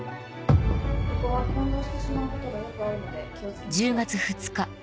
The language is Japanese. ここは混同してしまうことがよくあるので気を付けましょう。